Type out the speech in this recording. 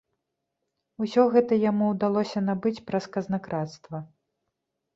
Усё гэта яму ўдалося набыць праз казнакрадства.